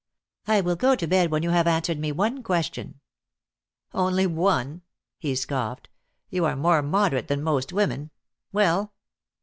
"I will go to bed when you have answered me one question." "Only one?" he scoffed. "You are more moderate than most women. Well?"